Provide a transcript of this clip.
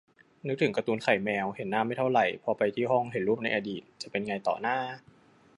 นึกถึงการ์ตูนไข่แมว เห็นหน้าไม่เท่าไหร่ พอไปที่ห้อง เห็นรูปในอดีต จะเป็นไงต่อนะ